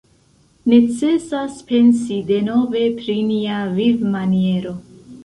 Necesas pensi denove pri nia vivmaniero.